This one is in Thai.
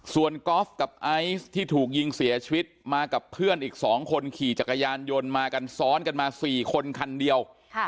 ส่วนกอล์ฟกับไอซ์ที่ถูกยิงเสียชีวิตมากับเพื่อนอีก๒คนขี่จักรยานยนต์มากันซ้อนกันมา๔คนคันเดียว